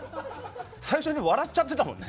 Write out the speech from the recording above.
最初に笑っちゃってたもんね。